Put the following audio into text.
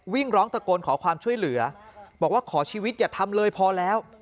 วิ่งร้องตะโกนขอความช่วยเหลือบอกว่าขอชีวิตอย่าทำเลยพอแล้ว